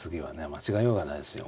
間違えようがないですよ